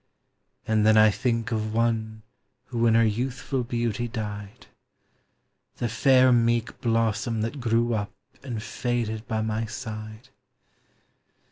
And then I think of one who in her youthful beauty died. The fair meek blossom Hint grew up and faded by my side.